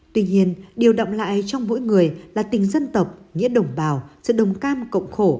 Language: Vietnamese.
tuy nhiên điều động lại trong mỗi người là tình dân tộc nghĩa đồng bào sự đồng cam cộng khổ